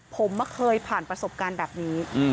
ผมเคยผ่านประสบการณ์แบบนี้